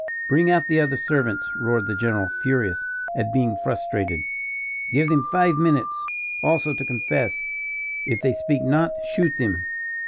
"Bring out the other servants," roared the general, furious at being frustrated. "Give them five minutes, also, to confess; if they speak not, shoot them."